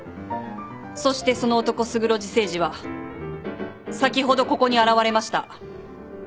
そしてその男勝呂寺誠司は先ほどここに現れました。